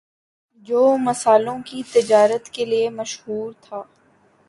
جو مسالوں کی تجارت کے لیے مشہور تھا